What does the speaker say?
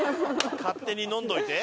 勝手に飲んどいて？